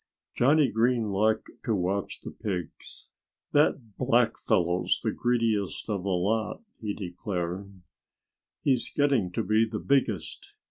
Johnnie Green liked to watch the pigs. "That black fellow's the greediest of the lot," he declared. "He's getting to be the biggest.